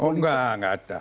oh enggak enggak ada